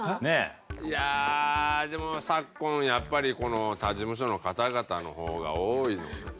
いやあでも昨今やっぱり他事務所の方々の方が多いので。